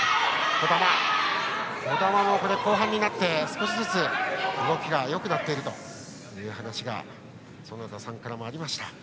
児玉、後半になって少しずつ動きがよくなっているという話が園田さんからもありました。